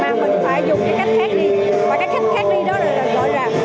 mà mình phải dùng cái cách khác đi và cái cách khác đi đó là gọi là